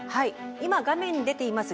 今画面に出ています